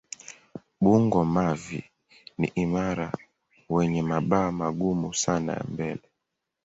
Bungo-mavi ni imara wenye mabawa magumu sana ya mbele.